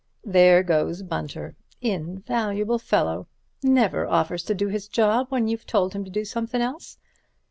There goes Bunter. Invaluable fellow—never offers to do his job when you've told him to do somethin' else.